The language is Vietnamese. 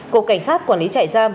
cục cảnh sát quản lý trại giam